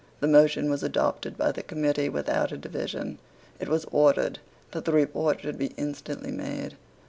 The motion was adopted by the Committee without a division. It was ordered that the report should be instantly made.